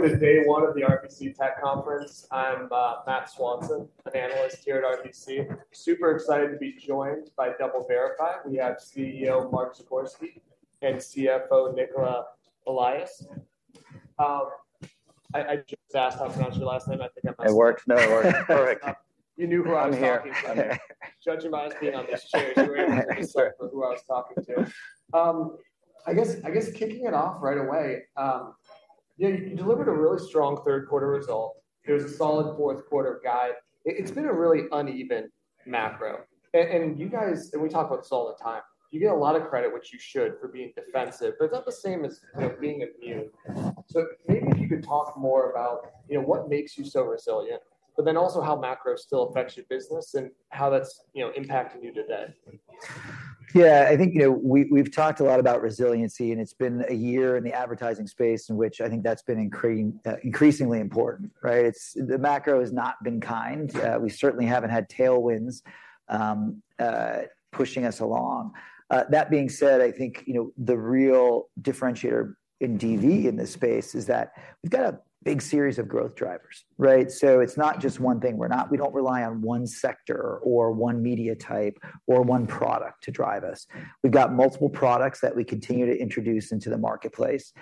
Welcome to day one of the RBC Tech Conference. I'm Matt Swanson, an analyst here at RBC. Super excited to be joined by DoubleVerify. We have CEO, Mark Zagorski, and CFO, Nicola Allais. I just asked how to pronounce your last name. I think I might. It worked. No, it worked. Correct. You knew who I was talking about. I'm here. Judge him by his being on this chair. Sorry. You knew who I was talking to. I guess kicking it off right away, you delivered a really strong third quarter result. There's a solid fourth quarter guide. It's been a really uneven macro, and you guys and we talk about this all the time. You get a lot of credit, which you should, for being defensive, but it's not the same as, you know, being immune. So maybe if you could talk more about, you know, what makes you so resilient, but then also how macro still affects your business and how that's, you know, impacting you today? Yeah, I think, you know, we, we've talked a lot about resiliency, and it's been a year in the advertising space in which I think that's been increasingly important, right? It's the macro has not been kind. We certainly haven't had tailwinds pushing us along. That being said, I think, you know, the real differentiator in DV in this space is that we've got a big series of growth drivers, right? So it's not just one thing. We don't rely on one sector, or one media type, or one product to drive us. We've got multiple products that we continue to introduce into the marketplace.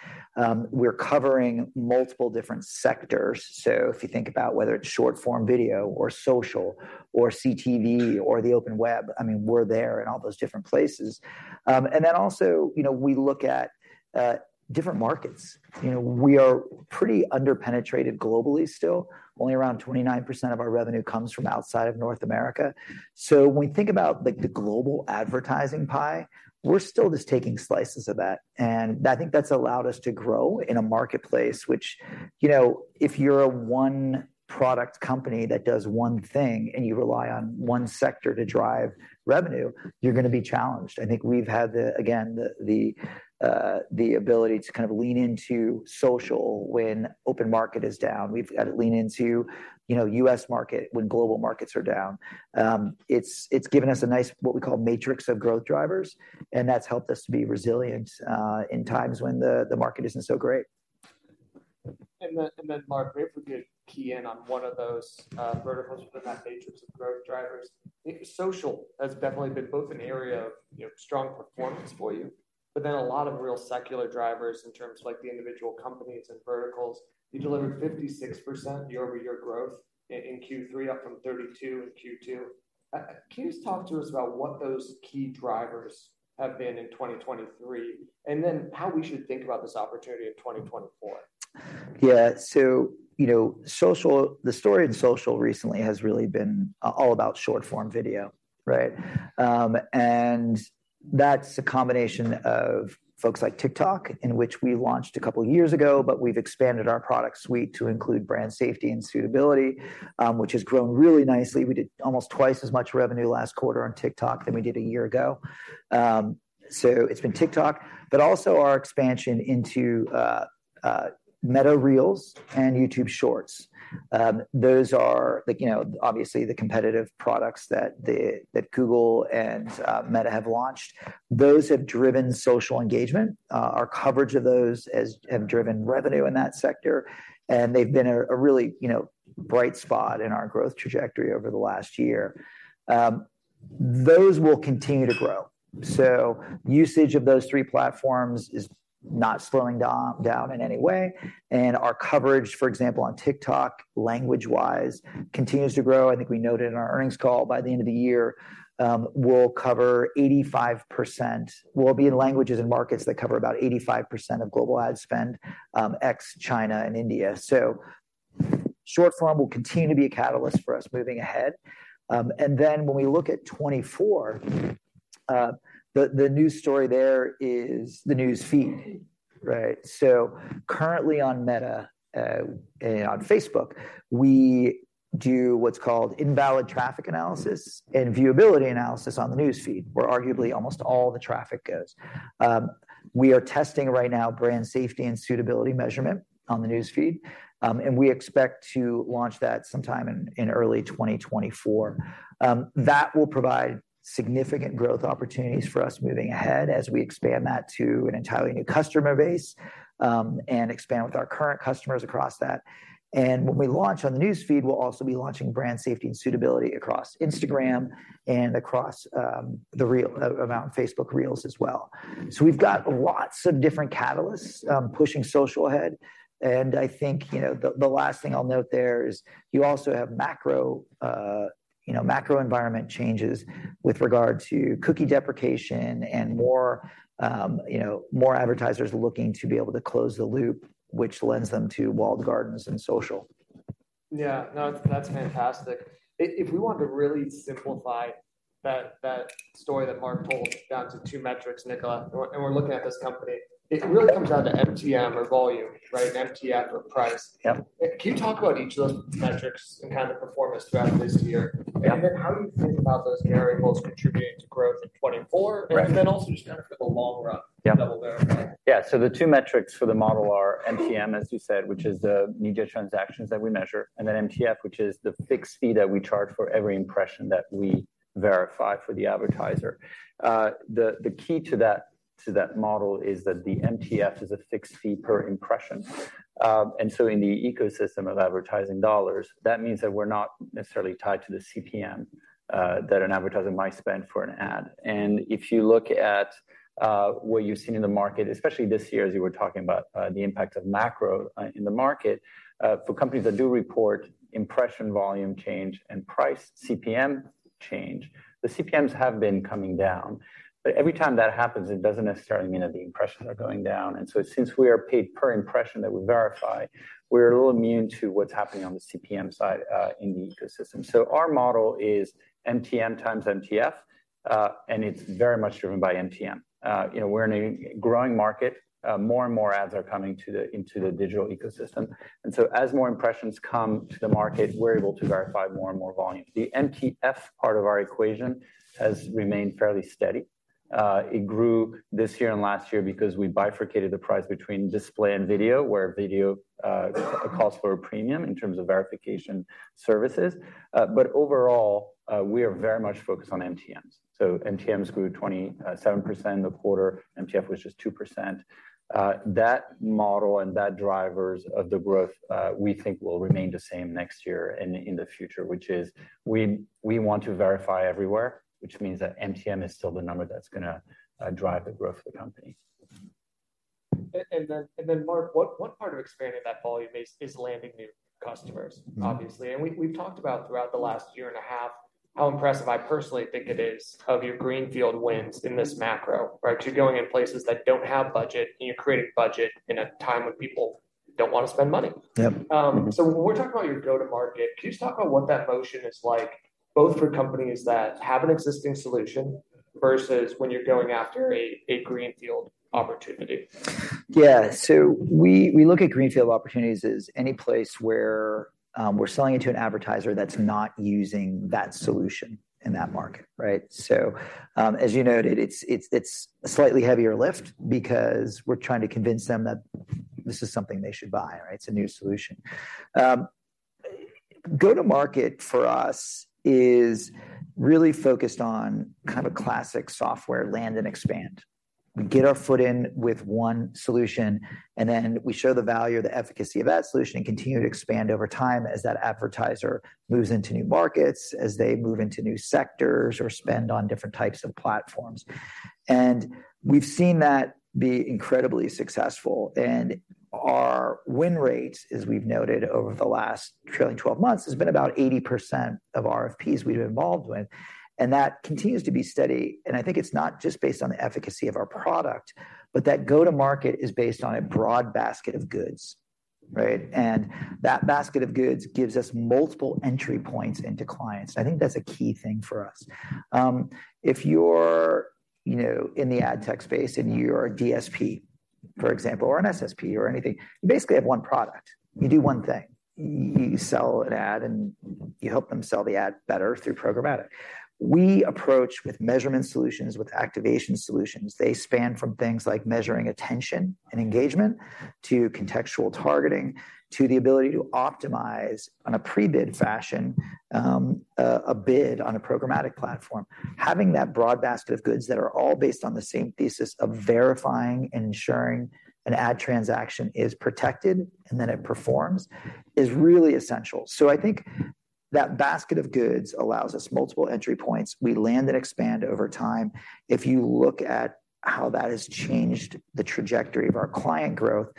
We're covering multiple different sectors. So if you think about whether it's short-form video, or social, or CTV, or the open web, I mean, we're there in all those different places. And then also, you know, we look at different markets. You know, we are pretty under-penetrated globally still. Only around 29% of our revenue comes from outside of North America. So when we think about, like, the global advertising pie, we're still just taking slices of that, and I think that's allowed us to grow in a marketplace, which, you know, if you're a one-product company that does one thing, and you rely on one sector to drive revenue, you're gonna be challenged. I think we've had the ability to kind of lean into social when open market is down. We've had to lean into, you know, U.S. market when global markets are down. It's given us a nice, what we call, matrix of growth drivers, and that's helped us to be resilient in times when the market isn't so great. And then, Mark, maybe if we could key in on one of those verticals within that matrix of growth drivers. I think social has definitely been both an area of, you know, strong performance for you, but then a lot of real secular drivers in terms of, like, the individual companies and verticals. You delivered 56% year-over-year growth in Q3, up from 32 in Q2. Can you just talk to us about what those key drivers have been in 2023, and then how we should think about this opportunity in 2024? Yeah. So, you know, social, the story in social recently has really been all about short-form video, right? And that's a combination of folks like TikTok, in which we launched a couple years ago, but we've expanded our product suite to include brand safety and suitability, which has grown really nicely. We did almost twice as much revenue last quarter on TikTok than we did a year ago. So it's been TikTok, but also our expansion into Meta Reels and YouTube Shorts. Those are like, you know, obviously the competitive products that Google and Meta have launched. Those have driven social engagement. Our coverage of those has driven revenue in that sector, and they've been a really, you know, bright spot in our growth trajectory over the last year. Those will continue to grow. So usage of those three platforms is not slowing down in any way, and our coverage, for example, on TikTok, language-wise, continues to grow. I think we noted in our earnings call, by the end of the year, we'll cover 85%. We'll be in languages and markets that cover about 85% of global ad spend, ex China and India. So short-form will continue to be a catalyst for us moving ahead. And then when we look at 2024, the new story there is the news feed, right? So currently on Meta, and on Facebook, we do what's called Invalid Traffic analysis and Viewability analysis on the news feed, where arguably almost all the traffic goes. We are testing right now brand safety and suitability measurement on the news feed, and we expect to launch that sometime in early 2024. That will provide significant growth opportunities for us moving ahead as we expand that to an entirely new customer base, and expand with our current customers across that. And when we launch on the news feed, we'll also be launching brand safety and suitability across Instagram and across the Reels about Facebook Reels as well. So we've got lots of different catalysts pushing social ahead, and I think, you know, the last thing I'll note there is you also have macro, you know, macro environment changes with regard to cookie deprecation and more, you know, more advertisers looking to be able to close the loop, which lends them to walled gardens and social. Yeah. No, that's fantastic. If we wanted to really simplify that story that Mark told down to two metrics, Nicola, and we're looking at this company, it really comes down to MTM or volume, right? An MTM or price. Yep. Can you talk about each of those metrics and how they performed throughout this year? Yep. And then, how do you think about those variables contributing to growth 2024, and then also just kind of for the long run? Yeah. DoubleVerify. Yeah, so the two metrics for the model are MTM, as you said, which is the media transactions that we measure, and then MTF, which is the fixed fee that we charge for every impression that we verify for the advertiser. The key to that model is that the MTF is a fixed fee per impression. And so in the ecosystem of advertising dollars, that means that we're not necessarily tied to the CPM that an advertiser might spend for an ad. And if you look at what you've seen in the market, especially this year, as you were talking about, the impact of macro in the market, for companies that do report impression volume change and price CPM change, the CPMs have been coming down. But every time that happens, it doesn't necessarily mean that the impressions are going down. And so since we are paid per impression that we verify, we're a little immune to what's happening on the CPM side, in the ecosystem. So our model is MTM x MTF, and it's very much driven by MTM. You know, we're in a growing market. More and more ads are coming into the digital ecosystem, and so as more impressions come to the market, we're able to verify more and more volume. The MTF part of our equation has remained fairly steady. It grew this year and last year because we bifurcated the price between display and video, where video costs for a premium in terms of verification services. But overall, we are very much focused on MTMs. So MTMs grew 27% the quarter, MTF was just 2%. That model and that drivers of the growth, we think will remain the same next year and in the future, which is we, we want to verify everywhere, which means that MTM is still the number that's gonna drive the growth of the company. Then, Mark, one part of expanding that volume is landing new customers- Mm. Obviously, and we've talked about throughout the last year and a half how impressive I personally think it is of your greenfield wins in this macro, right? You're going in places that don't have budget, and you're creating budget in a time when people don't want to spend money. Yep. Mm-hmm. So, when we're talking about your go-to-market, can you just talk about what that motion is like, both for companies that have an existing solution versus when you're going after a greenfield opportunity? Yeah. So we look at greenfield opportunities as any place where we're selling it to an advertiser that's not using that solution in that market, right? So, as you noted, it's a slightly heavier lift because we're trying to convince them that this is something they should buy, right? It's a new solution. Go-to-market for us is really focused on kind of a classic software land and expand. We get our foot in with one solution, and then we show the value or the efficacy of that solution and continue to expand over time as that advertiser moves into new markets, as they move into new sectors, or spend on different types of platforms. We've seen that be incredibly successful, and our win rates, as we've noted over the last trailing 12 months, has been about 80% of RFPs we've been involved with, and that continues to be steady. I think it's not just based on the efficacy of our product, but that go-to-market is based on a broad basket of goods, right? That basket of goods gives us multiple entry points into clients. I think that's a key thing for us. If you're, you know, in the ad tech space and you're a DSP, for example, or an SSP or anything, you basically have one product. You do one thing. You sell an ad, and you help them sell the ad better through programmatic. We approach with measurement solutions, with activation solutions. They span from things like measuring attention and engagement, to contextual targeting, to the ability to optimize on a pre-bid fashion, a bid on a programmatic platform. Having that broad basket of goods that are all based on the same thesis of verifying and ensuring an ad transaction is protected and that it performs, is really essential. So I think that basket of goods allows us multiple entry points. We land and expand over time. If you look at how that has changed the trajectory of our client growth,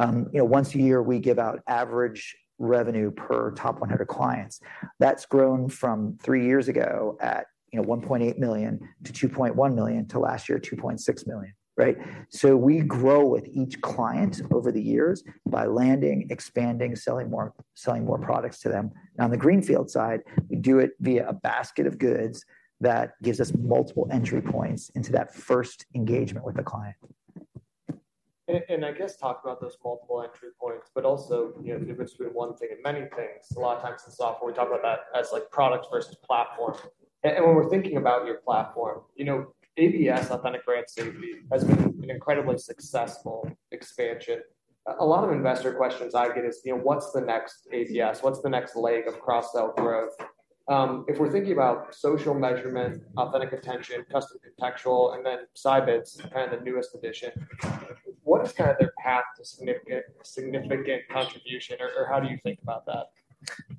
you know, once a year, we give out average revenue per top 100 clients. That's grown from three years ago at, you know, $1.8 million-$2.1 million, to last year, $2.6 million, right? So we grow with each client over the years by landing, expanding, selling more-- selling more products to them. Now, on the greenfield side, we do it via a basket of goods that gives us multiple entry points into that first engagement with the client. I guess talk about those multiple entry points, but also, you know, the difference between one thing and many things. A lot of times in software, we talk about that as, like, product versus platform. When we're thinking about your platform, you know, ABS, Authentic Brand Safety, has been an incredibly successful expansion. A lot of investor questions I get is, you know, what's the next ABS? What's the next leg of cross-sell growth? If we're thinking about social measurement, Authentic Attention, Custom Contextual, and then Scibids, kind of the newest addition, what is kind of the path to significant, significant contribution, or, or how do you think about that?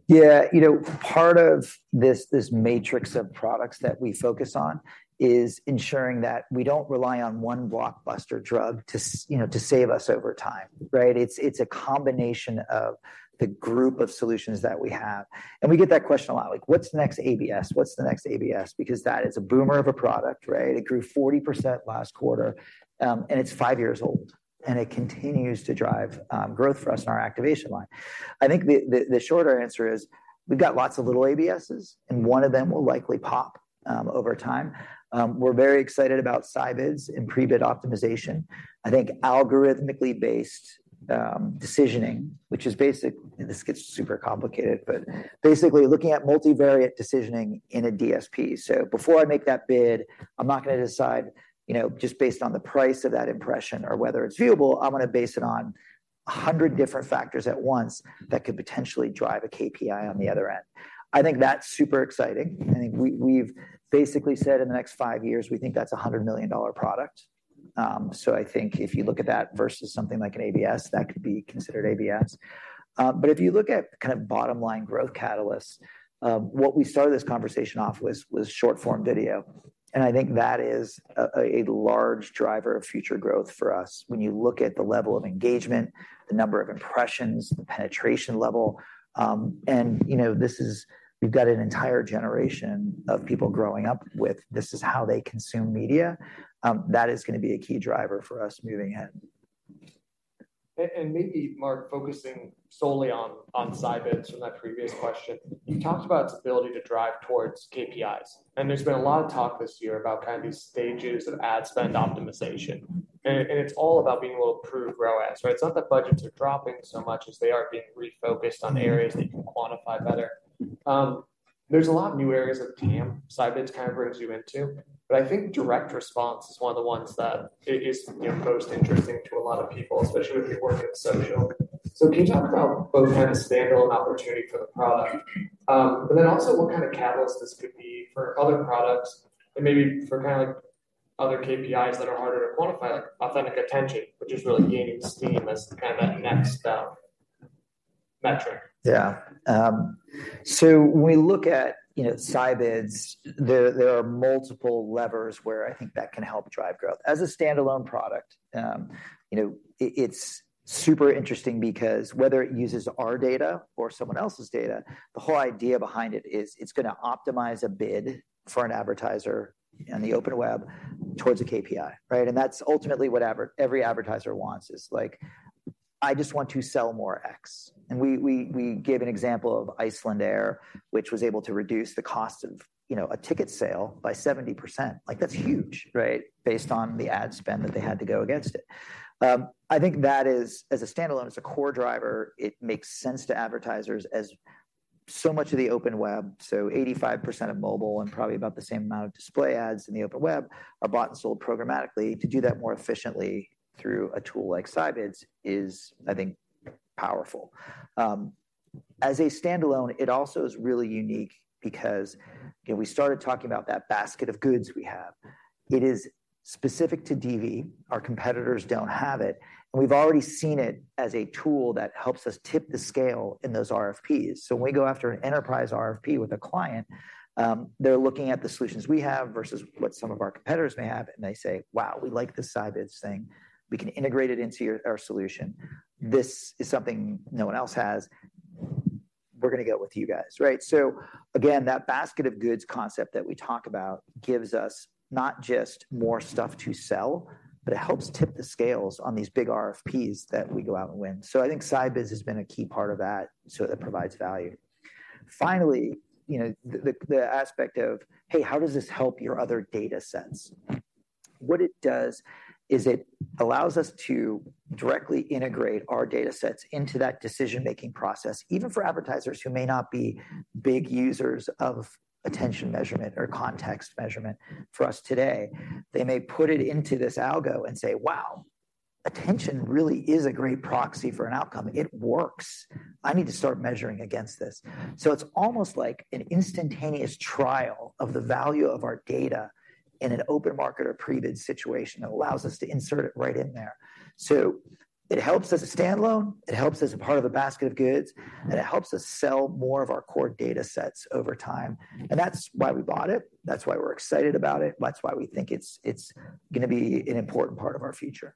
Yeah, you know, part of this, this matrix of products that we focus on is ensuring that we don't rely on one blockbuster drug to you know, to save us over time, right? It's a combination of the group of solutions that we have. We get that question a lot, like: "What's the next ABS? What's the next ABS?" Because that is a boomer of a product, right? It grew 40% last quarter, and it's five years old, and it continues to drive growth for us in our activation line. I think the shorter answer is we've got lots of little ABSs, and one of them will likely pop over time. We're very excited about Scibids and pre-bid optimization. I think algorithmically based decisioning, which is basic... This gets super complicated, but basically, looking at multivariate decisioning in a DSP. So before I make that bid, I'm not gonna decide, you know, just based on the price of that impression or whether it's viewable, I'm gonna base it on a hundred different factors at once that could potentially drive a KPI on the other end. I think that's super exciting. I think we've basically said in the next five years, we think that's a $100 million product. So I think if you look at that versus something like an ABS, that could be considered ABS. But if you look at kind of bottom line growth catalysts, what we started this conversation off with was short-form video, and I think that is a large driver of future growth for us. When you look at the level of engagement, the number of impressions, the penetration level, and, you know, this is. We've got an entire generation of people growing up with this. This is how they consume media. That is gonna be a key driver for us moving ahead. Maybe, Mark, focusing solely on Scibids from that previous question, you talked about its ability to drive towards KPIs, and there's been a lot of talk this year about kind of these stages of ad spend optimization. It's all about being able to prove ROAS, right? It's not that budgets are dropping so much as they are being refocused on areas that you can quantify better. There's a lot of new areas of DM, Scibids kind of brings you into, but I think direct response is one of the ones that is, you know, most interesting to a lot of people, especially if you're working in social. So can you talk about both kind of standalone opportunity for the product, but then also what kind of catalyst this could be for other products and maybe for kind of other KPIs that are harder to quantify, like Authentic Attention, which is really gaining steam as kind of that next, metric? Yeah. So when we look at, you know, Scibids, there are multiple levers where I think that can help drive growth. As a standalone product, you know, it's super interesting because whether it uses our data or someone else's data, the whole idea behind it is it's gonna optimize a bid for an advertiser on the open web towards a KPI, right? And that's ultimately what every advertiser wants, is like, "I just want to sell more X." And we gave an example of Icelandair, which was able to reduce the cost of, you know, a ticket sale by 70%. Like, that's huge, right? Based on the ad spend that they had to go against it. I think that is, as a standalone, as a core driver, it makes sense to advertisers as so much of the open web, so 85% of mobile and probably about the same amount of display ads in the open web, are bought and sold programmatically. To do that more efficiently through a tool like Scibids is, I think, powerful. As a standalone, it also is really unique because, you know, we started talking about that basket of goods we have. It is specific to DV, our competitors don't have it, and we've already seen it as a tool that helps us tip the scale in those RFPs. So when we go after an enterprise RFP with a client, they're looking at the solutions we have versus what some of our competitors may have, and they say: "Wow, we like this Scibids thing. We can integrate it into your, our solution. This is something no one else has. "We're gonna go with you guys." Right? So again, that basket of goods concept that we talk about gives us not just more stuff to sell, but it helps tip the scales on these big RFPs that we go out and win. So I think Scibids has been a key part of that, so that provides value. Finally, you know, the aspect of: Hey, how does this help your other data sets? What it does is it allows us to directly integrate our data sets into that decision-making process, even for advertisers who may not be big users of attention measurement or context measurement for us today. They may put it into this algo and say: "Wow, attention really is a great proxy for an outcome. It works. I need to start measuring against this." So it's almost like an instantaneous trial of the value of our data in an open market or pre-bid situation that allows us to insert it right in there. So it helps as a standalone, it helps as a part of a basket of goods, and it helps us sell more of our core data sets over time. And that's why we bought it, that's why we're excited about it, that's why we think it's, it's gonna be an important part of our future.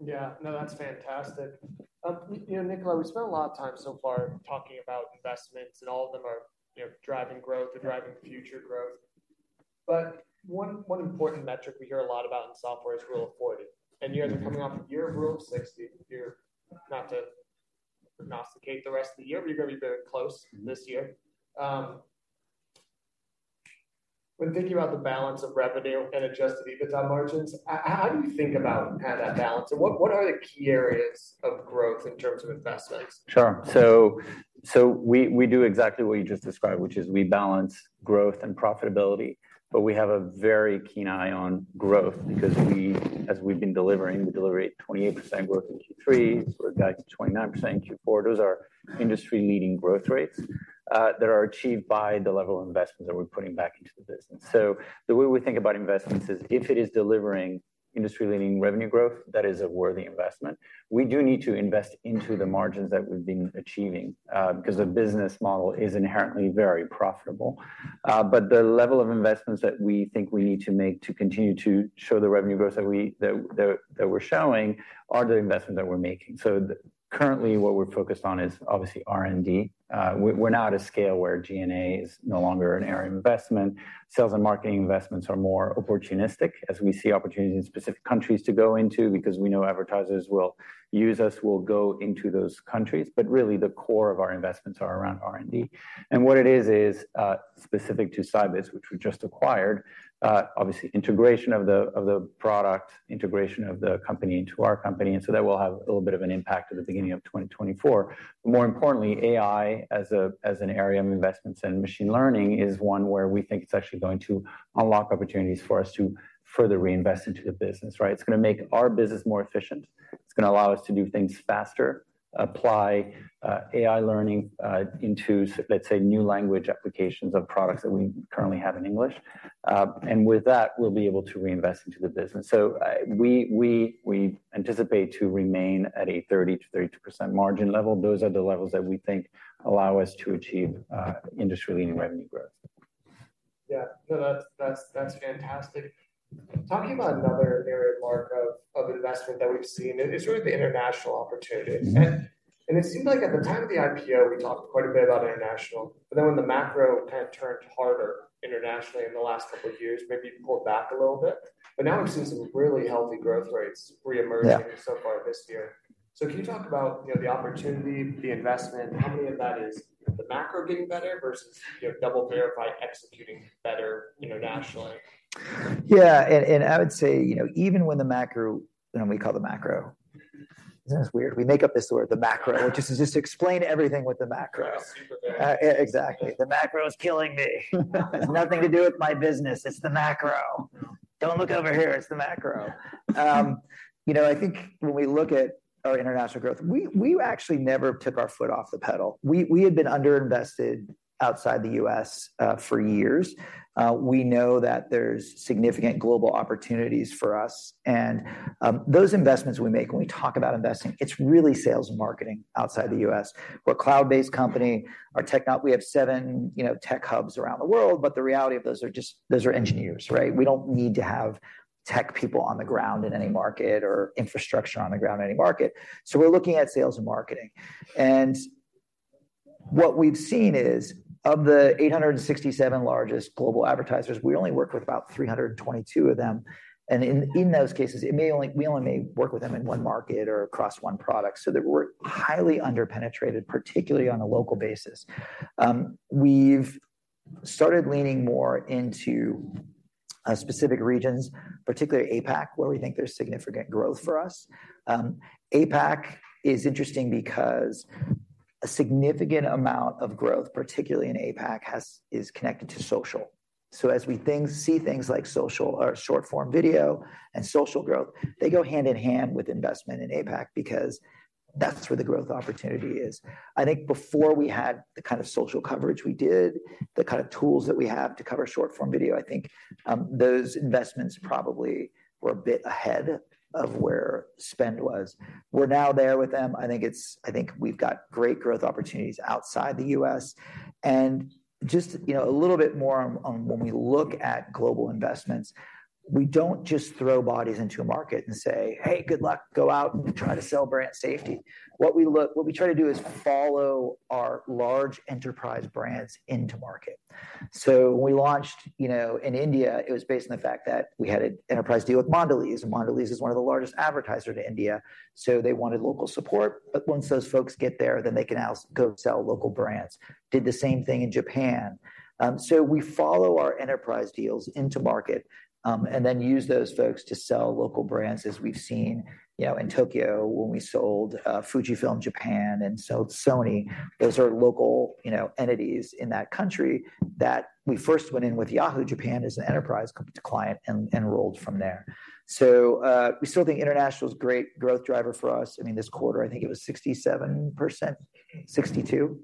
Yeah. No, that's fantastic. You know, Nicola, we spent a lot of time so far talking about investments, and all of them are, you know, driving growth or driving future growth. But one important metric we hear a lot about in software is Rule of 40. And you guys are coming off a year of Rule of 60. If you're not to prognosticate the rest of the year, but you're gonna be very close this year. When thinking about the balance of revenue and adjusted EBITDA margins, how do you think about how that balance, and what are the key areas of growth in terms of investments? Sure. So we do exactly what you just described, which is we balance growth and profitability, but we have a very keen eye on growth because, as we've been delivering, we delivered 28% growth in Q3, so we're back to 29% in Q4. Those are industry-leading growth rates that are achieved by the level of investments that we're putting back into the business. So the way we think about investments is if it is delivering industry-leading revenue growth, that is a worthy investment. We do need to invest into the margins that we've been achieving because the business model is inherently very profitable. But the level of investments that we think we need to make to continue to show the revenue growth that we're showing are the investments that we're making. So currently, what we're focused on is obviously R&D. We're now at a scale where G&A is no longer an area of investment. Sales and marketing investments are more opportunistic as we see opportunities in specific countries to go into because we know advertisers will use us, will go into those countries. But really, the core of our investments are around R&D. And what it is is specific to Scibids, which we just acquired, obviously, integration of the product, integration of the company into our company, and so that will have a little bit of an impact at the beginning of 2024. More importantly, AI as an area of investments and machine learning is one where we think it's actually going to unlock opportunities for us to further reinvest into the business, right? It's gonna make our business more efficient. It's gonna allow us to do things faster, apply AI learning into, let's say, new language applications of products that we currently have in English. And with that, we'll be able to reinvest into the business. So, we anticipate to remain at a 30%-32% margin level. Those are the levels that we think allow us to achieve industry-leading revenue growth.... Yeah. No, that's fantastic. Talking about another area, Mark, of investment that we've seen is really the international opportunity. And it seemed like at the time of the IPO, we talked quite a bit about international, but then when the macro kind of turned harder internationally in the last couple of years, maybe you pulled back a little bit. But now we're seeing some really healthy growth rates reemerging- Yeah so far this year. So can you talk about, you know, the opportunity, the investment? How many of that is the macro getting better versus, you know, DoubleVerify executing better internationally? Yeah, and I would say, you know, even when the macro... You know, we call the macro. Isn't this weird? We make up this word, the macro, just to, just to explain everything with the macro. Yeah, super vague. Exactly. The macro is killing me. It's nothing to do with my business. It's the macro. Don't look over here, it's the macro. You know, I think when we look at our international growth, we actually never took our foot off the pedal. We had been underinvested outside the U.S. for years. We know that there's significant global opportunities for us, and those investments we make when we talk about investing, it's really sales and marketing outside the U.S. We're a cloud-based company. Our tech we have seven, you know, tech hubs around the world, but the reality of those are just those are engineers, right? We don't need to have tech people on the ground in any market or infrastructure on the ground in any market. So we're looking at sales and marketing. What we've seen is, of the 867 largest global advertisers, we only work with about 322 of them, and in those cases, it may only we only may work with them in one market or across one product. So that we're highly underpenetrated, particularly on a local basis. We've started leaning more into specific regions, particularly APAC, where we think there's significant growth for us. APAC is interesting because a significant amount of growth, particularly in APAC, is connected to social. So as we see things like social or short-form video and social growth, they go hand-in-hand with investment in APAC because that's where the growth opportunity is. I think before we had the kind of social coverage we did, the kind of tools that we have to cover short-form video, I think, those investments probably were a bit ahead of where spend was. We're now there with them. I think it's. I think we've got great growth opportunities outside the U.S. And just, you know, a little bit more on, on when we look at global investments, we don't just throw bodies into a market and say, "Hey, good luck. Go out and try to sell Brand Safety." What we look. What we try to do is follow our large enterprise brands into market. So when we launched, you know, in India, it was based on the fact that we had an enterprise deal with Mondelēz, and Mondelēz is one of the largest advertiser to India, so they wanted local support. But once those folks get there, then they can now go sell local brands. Did the same thing in Japan. So we follow our enterprise deals into market, and then use those folks to sell local brands, as we've seen, you know, in Tokyo, when we sold Fujifilm Japan and sold Sony. Those are local, you know, entities in that country that we first went in with Yahoo! Japan as an enterprise client and rolled from there. So we still think international is a great growth driver for us. I mean, this quarter, I think it was 67%. 62?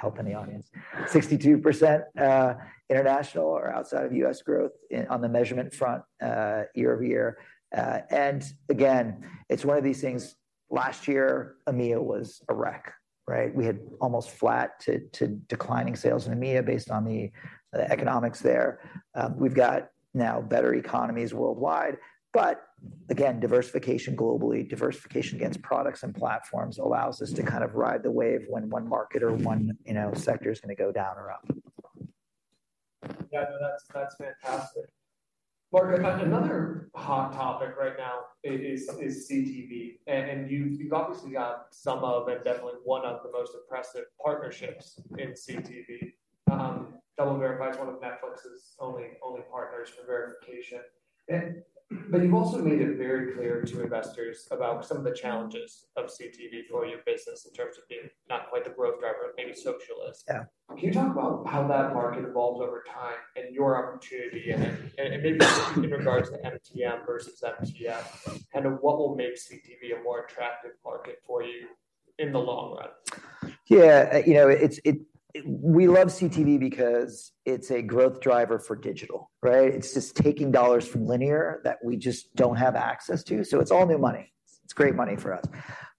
We got help in the audience. 52%, international or outside of U.S. growth on the measurement front, year-over-year. And again, it's one of these things, last year, EMEA was a wreck, right? We had almost flat to declining sales in EMEA based on the economics there. We've got now better economies worldwide, but again, diversification globally, diversification against products and platforms allows us to kind of ride the wave when one market or one, you know, sector is gonna go down or up. Yeah, no, that's fantastic. Mark, another hot topic right now is CTV, and you've obviously got some of it, definitely one of the most impressive partnerships in CTV. DoubleVerify is one of Netflix's only partners for verification. But you've also made it very clear to investors about some of the challenges of CTV for your business in terms of being not quite the growth driver, maybe social is. Yeah. Can you talk about how that market evolves over time and your opportunity, and maybe in regards to MTM versus MTF, kind of what will make CTV a more attractive market for you in the long run? Yeah, you know, it's -- we love CTV because it's a growth driver for digital, right? It's just taking dollars from linear that we just don't have access to, so it's all new money. It's great money for us.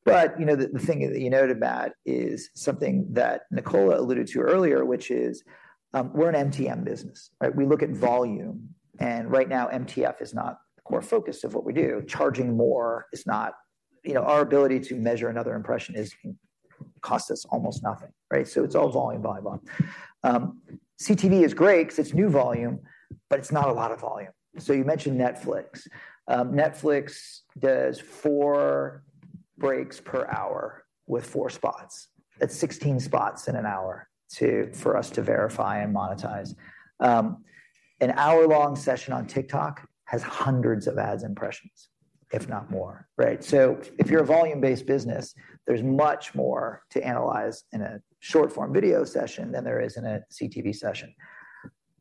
But, you know, the thing that you noted that is something that Nicola alluded to earlier, which is, we're an MTM business, right? We look at volume, and right now MTF is not the core focus of what we do. Charging more is not... You know, our ability to measure another impression is, costs us almost nothing, right? So it's all volume, volume, volume. CTV is great 'cause it's new volume, but it's not a lot of volume. So you mentioned Netflix. Netflix does four breaks per hour with four spots. That's 16 spots in an hour to -- for us to verify and monetize. An hour-long session on TikTok has hundreds of ad impressions, if not more, right? So if you're a volume-based business, there's much more to analyze in a short-form video session than there is in a CTV session.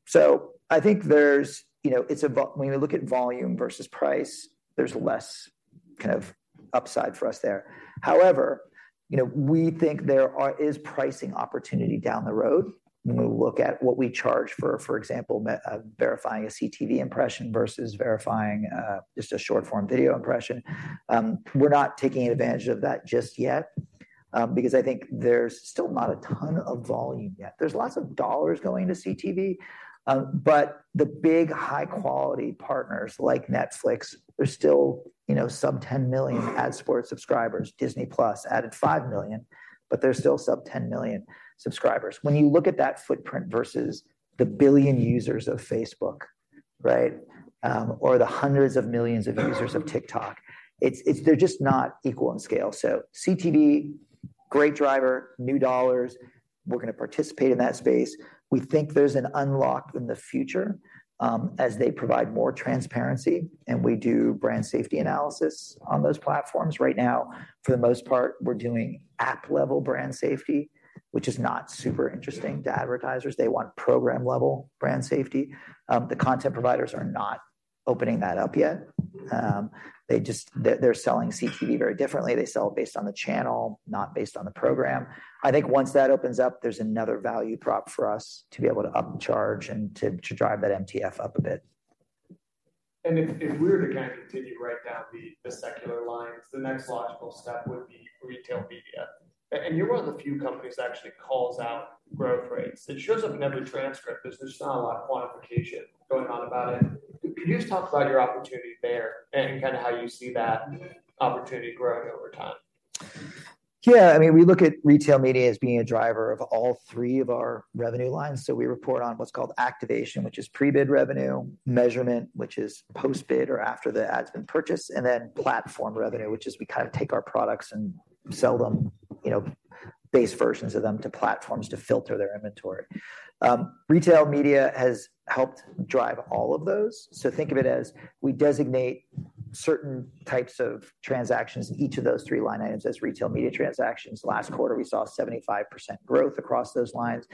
So I think there's, you know, when you look at volume versus price, there's less kind of upside for us there. However, you know, we think there is pricing opportunity down the road when we look at what we charge for, for example, verifying a CTV impression versus verifying just a short-form video impression. We're not taking advantage of that just yet, because I think there's still not a ton of volume yet. There's lots of dollars going to CTV, but the big, high-quality partners like Netflix, they're still, you know, sub 10 million ad-supported subscribers. Disney+ added 5 million, but they're still sub 10 million subscribers. When you look at that footprint versus the 1 billion users of Facebook, right? Or the hundreds of millions of users of TikTok, it's—they're just not equal in scale. So CTV, great driver, new dollars, we're gonna participate in that space. We think there's an unlock in the future, as they provide more transparency, and we do brand safety analysis on those platforms. Right now, for the most part, we're doing app-level brand safety, which is not super interesting to advertisers. They want program-level brand safety. The content providers are not opening that up yet. They just—they're selling CTV very differently. They sell based on the channel, not based on the program. I think once that opens up, there's another value prop for us to be able to up the charge and to drive that MTF up a bit. If we were to kind of continue right down the secular lines, the next logical step would be retail media. You're one of the few companies that actually calls out growth rates. It shows up in every transcript, but there's not a lot of quantification going on about it. Can you just talk about your opportunity there and kind of how you see that opportunity growing over time? Yeah, I mean, we look at retail media as being a driver of all three of our revenue lines. So we report on what's called activation, which is pre-bid revenue. Measurement, which is post-bid or after the ad's been purchased. And then platform revenue, which is we kind of take our products and sell them, you know, base versions of them, to platforms to filter their inventory. Retail media has helped drive all of those. So think of it as we designate certain types of transactions, each of those three line items as retail media transactions. Last quarter, we saw 75% growth across those lines.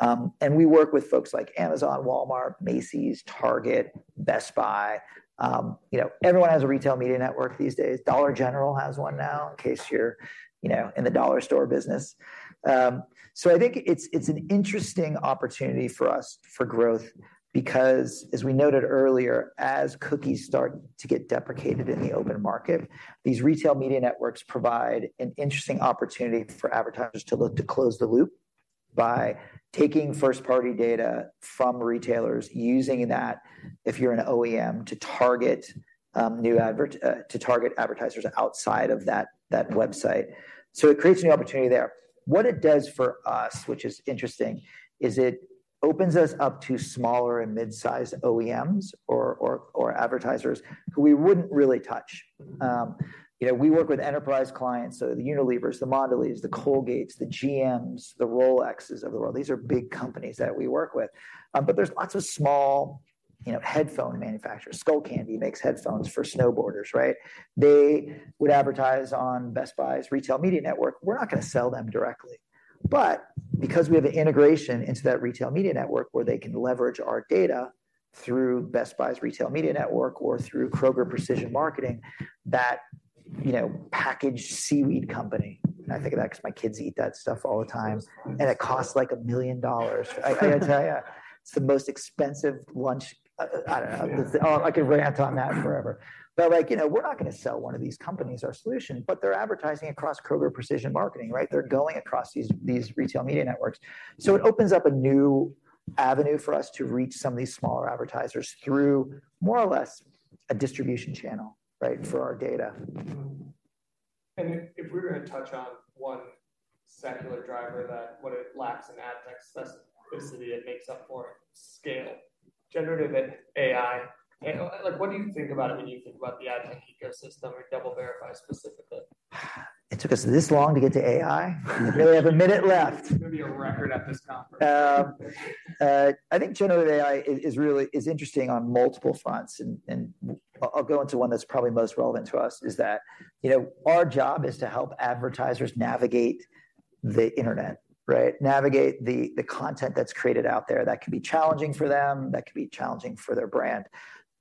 And we work with folks like Amazon, Walmart, Macy's, Target, Best Buy. You know, everyone has a retail media network these days. Dollar General has one now, in case you're, you know, in the dollar store business. So I think it's an interesting opportunity for us for growth because, as we noted earlier, as cookies start to get deprecated in the open market, these retail media networks provide an interesting opportunity for advertisers to look to close the loop by taking first-party data from retailers, using that, if you're an OEM, to target new advertisers outside of that website. So it creates a new opportunity there. What it does for us, which is interesting, is it opens us up to smaller and mid-sized OEMs or advertisers who we wouldn't really touch. You know, we work with enterprise clients, so the Unilevers, the Mondelēz, the Colgates, the GMs, the Rolexes of the world. These are big companies that we work with. But there's lots of small, you know, headphone manufacturers. Skullcandy makes headphones for snowboarders, right? They would advertise on Best Buy's retail media network. We're not gonna sell them directly, but because we have an integration into that retail media network where they can leverage our data through Best Buy's retail media network or through Kroger Precision Marketing, that, you know, packaged seaweed company... And I think of that 'cause my kids eat that stuff all the time, and it costs, like, $1 million. I tell you, it's the most expensive lunch. I don't know. Yeah. Oh, I could rant on that forever. But like, you know, we're not gonna sell one of these companies our solution, but they're advertising across Kroger Precision Marketing, right? They're going across these, these retail media networks. So it opens up a new avenue for us to reach some of these smaller advertisers through more or less a distribution channel, right, for our data. Mm-hmm. And if we were gonna touch on one secular driver, that what it lacks in ad tech specificity, it makes up for scale, Generative AI. And, like, what do you think about it when you think about the ad tech ecosystem or DoubleVerify specifically? It took us this long to get to AI? We only have a minute left. It's gonna be a record at this conference. I think generative AI is really interesting on multiple fronts, and I'll go into one that's probably most relevant to us, is that, you know, our job is to help advertisers navigate the internet, right? Navigate the content that's created out there. That could be challenging for them, that could be challenging for their brand.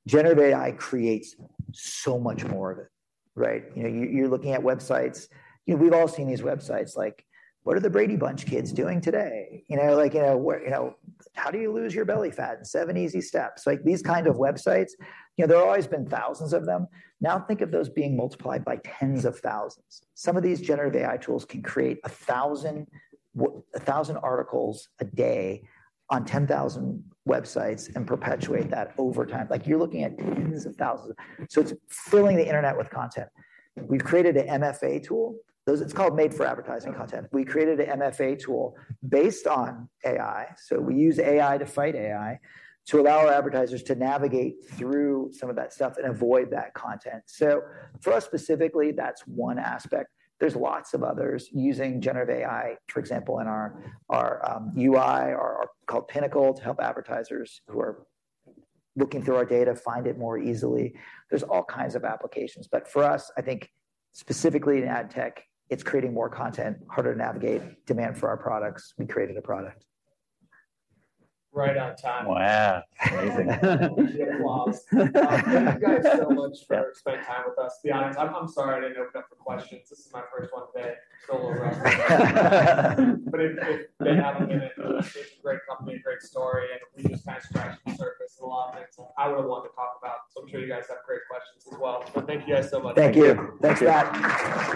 Generative AI creates so much more of it, right? You know, you're looking at websites. You know, we've all seen these websites, like, "What are the Brady Bunch kids doing today?" You know, like, you know, "Well, how do you lose your belly fat? Seven easy steps." Like, these kind of websites, you know, there have always been thousands of them. Now, think of those being multiplied by tens of thousands. Some of these Generative AI tools can create 1,000 articles a day on 10,000 websites and perpetuate that over time. Like, you're looking at tens of thousands. So it's filling the internet with content. We've created an MFA tool. It's called Made for Advertising content. We created an MFA tool based on AI. So we use AI to fight AI, to allow our advertisers to navigate through some of that stuff and avoid that content. So for us, specifically, that's one aspect. There's lots of others using Generative AI, for example, in our UI, called Pinnacle, to help advertisers who are looking through our data find it more easily. There's all kinds of applications, but for us, I think specifically in ad tech, it's creating more content, harder to navigate, demand for our products. We created a product. Right on time. Wow! Amazing. We should applaud. Thank you, guys, so much for spending time with us. To be honest, I'm sorry I didn't open up for questions. This is my first one today. Still a little rough. But if they have them in it, it's a great company, great story, and we just kinda scratched the surface on a lot of things I would've wanted to talk about, so I'm sure you guys have great questions as well. But thank you guys so much. Thank you. Thanks, Scott.